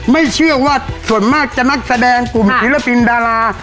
ไม่เชื่อว่าส่วนมากจะนักแสดงกลุ่มศิลปินดารา